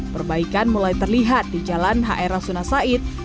perbaikan mulai terlihat di jalan hr rasunasait